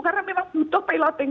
karena memang butuh piloting